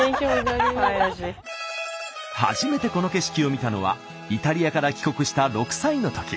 初めてこの景色を見たのはイタリアから帰国した６歳のとき。